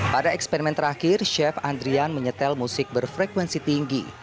pada eksperimen terakhir chef andrian menyetel musik berfrekuensi tinggi